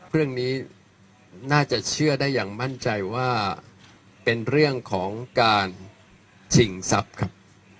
เรื่องนี้น่าจะเชื่อได้อย่างมั่นใจว่าเป็นเรื่องของการชิงทรัพย์ครับ